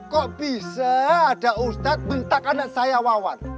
kok bisa ada ustad bentak anak saya wawan